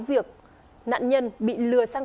việc nạn nhân bị lừa sang